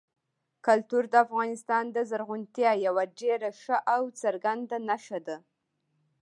کلتور د افغانستان د زرغونتیا یوه ډېره ښه او څرګنده نښه ده.